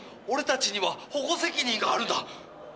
俺たちには保護責任があるんだ。